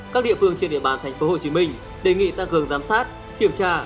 các địa phương trên địa bàn tp hcm đề nghị tăng cường giám sát kiểm tra